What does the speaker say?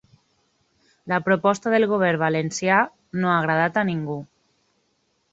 La proposta del govern valencià no ha agradat a ningú.